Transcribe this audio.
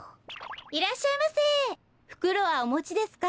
いらっしゃいませふくろはおもちですか？